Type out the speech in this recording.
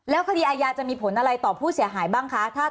คดีอายาจะมีผลอะไรต่อผู้เสียหายบ้างคะ